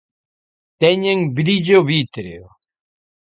Teñen brillo vítreo.